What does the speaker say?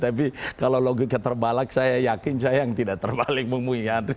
tapi kalau logiknya terbalik saya yakin saya yang tidak terbalik bung yandri